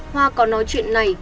hoa còn nói chuyện này